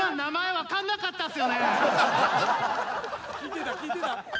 聞いてた聞いてた。